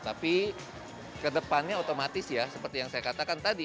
tapi kedepannya otomatis ya seperti yang saya katakan tadi